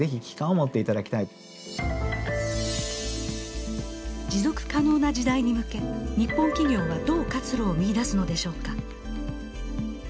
持続可能な時代に向け日本企業はどう活路を見いだすのでしょうか。